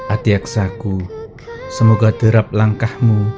adiaksaku semoga derap langkahmu